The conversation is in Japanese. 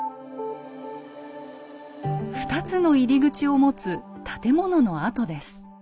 ２つの入り口を持つ建物の跡です。